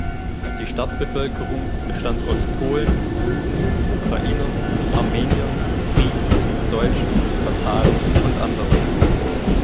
Die Stadtbevölkerung bestand aus Polen, Juden, Ukrainern, Armeniern, Griechen, Deutschen, Tataren und anderen.